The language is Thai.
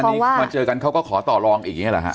คือเมื่อเจอกันเขาก็ขอต่อลองอีกอย่างนี้แหละค่ะ